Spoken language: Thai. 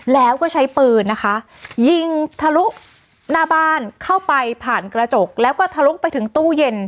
แล้วก็ใช้ปืนนะคะยิงทะลุหน้าบ้านเข้าไปผ่านกระจกแล้วก็ทะลุไปถึงตู้เย็น